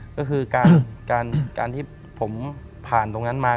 ก็คือการที่ผมผ่านตรงนั้นมา